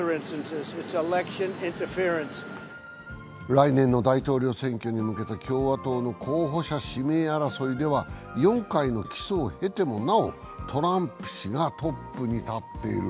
来年の大統領選挙に向けた共和党の候補者指名争いでは、４回の起訴を経てもなおトランプ氏がトップに立っている。